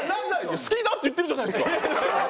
好きだって言ってるじゃないですか！